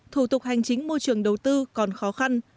thủ tục hành chính môi trường đầu tư còn khó khăn